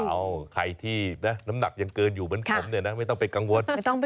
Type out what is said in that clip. เอาใครที่น้ำหนักยังเกินอยู่เหมือนผมเนี่ยนะไม่ต้องไปกังวล